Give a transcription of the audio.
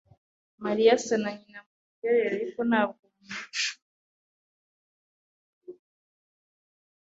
Mariya asa na nyina mumiterere, ariko ntabwo mumico.